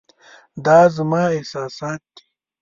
دا زما احساسات دي .